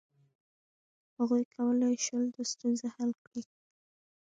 هغوی کولای شول دا ستونزه حل کړي.